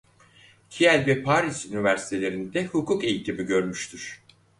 Kiel ve Paris üniversitelerinde hukuk eğitimi görmüştür.